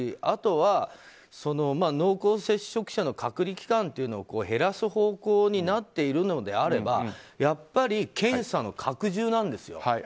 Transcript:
あとは濃厚接触者の隔離期間を減らす方向になっているのであればやっぱり検査の拡充なんですよ。